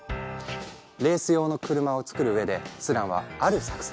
レース用の車を作る上でスランはある作戦を立てた。